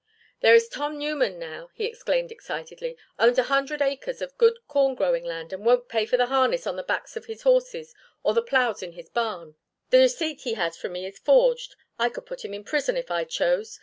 "There is Tom Newman, now," he exclaimed excitedly. "Owns a hundred acres of good corn growing land and won't pay for the harness on the backs of his horses or for the ploughs in his barn. The receipt he has from me is forged. I could put him in prison if I chose.